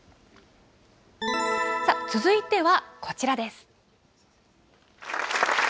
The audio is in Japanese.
続いてはこちらです。